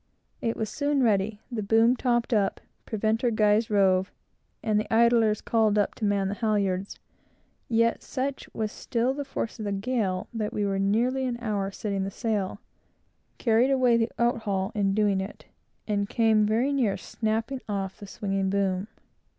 It was soon ready, the boom topped up, preventer guys rove, and the idlers called up to man the halyards; yet such was still the force of the gale, that we were nearly an hour setting the sail; carried away the outhaul in doing it, and came very near snapping off the swinging boom.